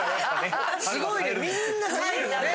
すごいね。